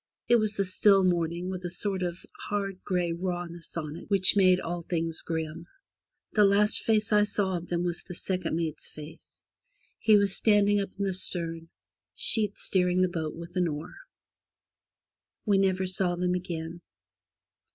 It was a still morning, with a sort of hard grey rawness on it which made all things grim. The last 266 FROM THE TOWER WINDOW face I saw of them was the second mate's face. He was standing up in the stern sheets steering the boat with an oar. We never saw them again.